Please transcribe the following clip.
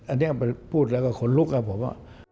อันนี้พูดแล้วก็ขนลุกครับผมว่า